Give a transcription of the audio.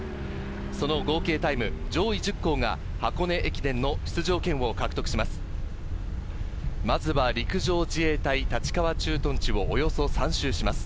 その合計タイム上位１０校が箱根駅伝の出場権を獲得します。